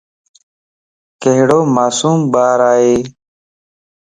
ڪھڙو معصوم ٻارائي